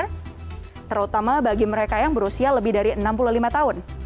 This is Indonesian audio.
terutama bagi mereka yang berusia lebih dari enam puluh lima tahun